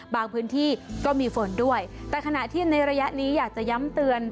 พื้นที่ก็มีฝนด้วยแต่ขณะที่ในระยะนี้อยากจะย้ำเตือน